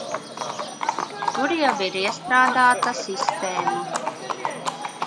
Tur jau ir iestrādāta sistēma.